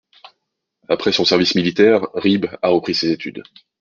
Après son service militaire, Reeb a repris ses études.